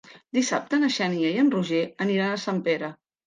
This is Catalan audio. Dissabte na Xènia i en Roger aniran a Sempere.